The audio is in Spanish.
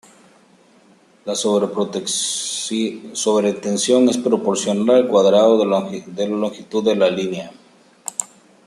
La sobretensión es proporcional al cuadrado de la longitud de la línea.